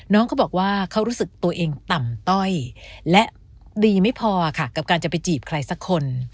น้องเขาบอกว่าเขารู้สึกตัวเองต่ำต้อยและดีไม่พอค่ะกับการจะไปจีบใครสักคน